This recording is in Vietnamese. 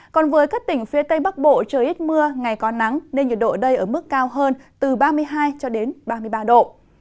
còn với các tỉnh phía tây bắc bộ trời ít mưa ngày có nắng nên nhiệt độ ở đây ở mức cao hơn từ ba mươi hai ba mươi ba độ